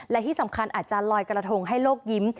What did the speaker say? และที่สำคัญอาจจะลอยกระทงให้โลกยิ้ม